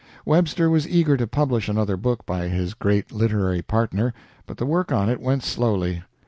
Webster was eager to publish another book by his great literary partner, but the work on it went slowly.